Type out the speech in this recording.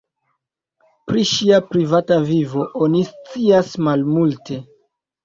Pri ŝia privata vivo oni scias malmulte.